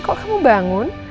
kok kamu bangun